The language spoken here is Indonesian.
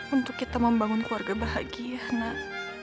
untuk kita membangun keluarga bahagia nak